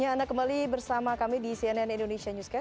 ya anda kembali bersama kami di cnn indonesia newscast